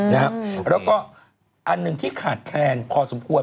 แล้วก็อันหนึ่งที่ขาดแคลนพอสมควร